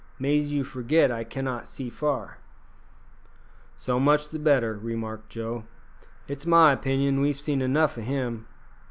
"Mais you forgit I cannot see far." "So much the better," remarked Joe; "it's my opinion we've seen enough o' him.